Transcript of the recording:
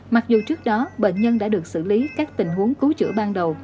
mặc dù trước đó bệnh nhân đã được xử lý các tình huống cứu chữa ban đầu